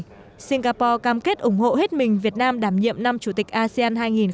vì vậy singapore cam kết ủng hộ hết mình việt nam đảm nhiệm năm chủ tịch asean hai nghìn hai mươi